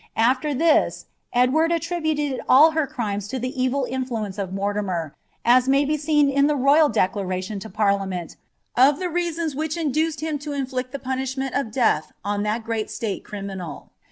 After this, Edward attri tr crimes to the evil inflnence of Mortimer, as may be seen I decliuBlion lo parliament of the reasons which induced him IS punishnient of death on that great stale criminHl.